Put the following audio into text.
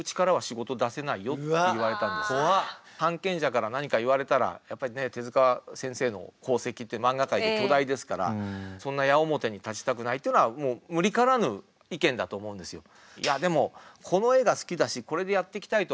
版権者から何か言われたらやっぱりね手塚先生の功績って漫画界で巨大ですからそんな矢面に立ちたくないっていうのはもう無理からぬ意見だと思うんですよ。